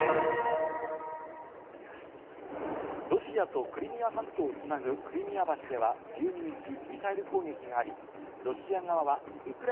ロシアとクリミア半島をつなぐクリミア橋では１２日、ミサイル攻撃があり、ロシア側はウクラ